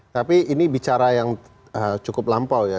tapi ini bicara yang cukup lampau ya